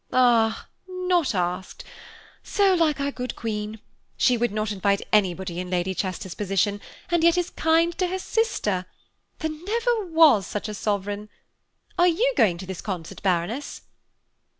"Ah! not asked; so like our good Queen. She would not invite anybody in Lady Chester's position, and yet is kind to her sister. There never was such a sovereign. Are you going to this concert, Baroness?"